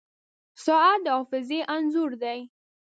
• ساعت د حافظې انځور دی.